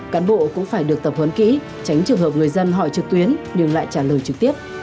cán bộ cũng phải được tập huấn kỹ tránh trường hợp người dân hỏi trực tuyến nhưng lại trả lời trực tiếp